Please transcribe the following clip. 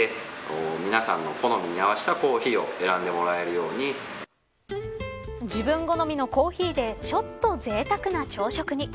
さらに自分好みのコーヒーでちょっとぜいたくな朝食に。